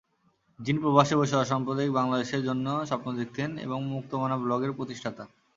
যিনি প্রবাসে বসে অসাম্প্রদায়িক বাংলাদেশের জন্য স্বপ্ন দেখতেন এবং মুক্তমনা ব্লগের প্রতিষ্ঠাতা।